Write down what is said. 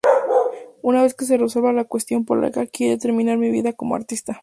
Una vez que se resuelva la cuestión polaca, quiero terminar mi vida como artista".